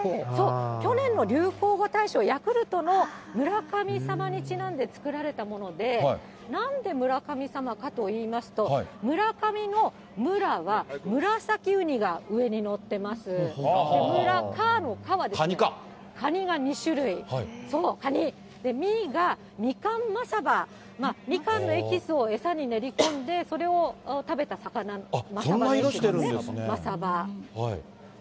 去年の流行語大賞、ヤクルトの村上様にちなんで作られたもので、なんでむらかみさまかといいますと、村上の村はムラサキウニが上に載ってます、むらかのかはですね、カニが２種類、そう、カニ、みがみかんマサバ、みかんのエキスを餌に練り込んで、それを食べた魚、マサバですね、マサバ。